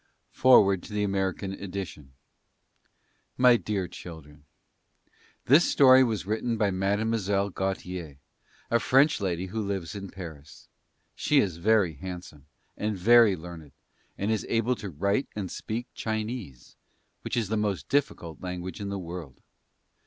J. G. FOREWORD TO THE AMERICAN EDITION My DEAR CHILDREN: This Story was written by Mademoiselle Gautier, a French lady who lives in Paris. She is very handsome, and very learned, and is able to write and speak Chinese, which is the most difficult language in the world.